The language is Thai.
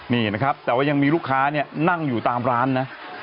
นี่นะครับแต่ว่ายังมีลูกค้าเนี่ยนั่งอยู่ตามร้านนะ